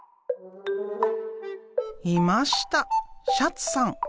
いましたシャツさん。